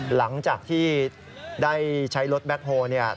หลังจากที่ได้ใช้รถแบ็คโฮลเนี่ย